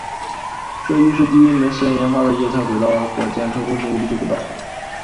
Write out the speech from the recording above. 这亦是第一枚私人研发的液态轨道火箭成功进入地球轨道。